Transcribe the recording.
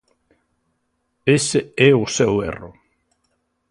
Ese é o seu erro.